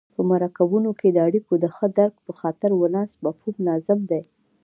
په مرکبونو کې د اړیکو د ښه درک په خاطر ولانس مفهوم لازم دی.